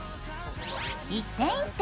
１点１点